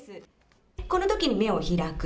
このときに目を開く。